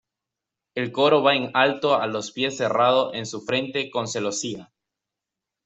El coro va en alto a los pies cerrado en su frente con celosía.